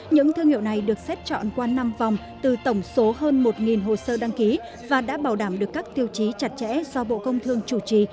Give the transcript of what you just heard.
những thương hiệu này được xét chọn qua năm vòng từ tổng số hơn một hồ sơ đăng ký và đã bảo đảm được các tiêu chí chặt chẽ do bộ công thương chủ trì